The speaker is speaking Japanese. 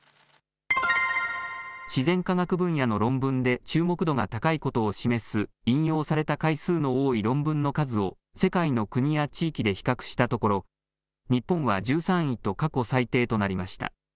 自然科学分野の論文で注目度が高いことを示す引用された回数の多い論文の数を世界の国や地域で比較したところ日本は１３位と過去最低となりました。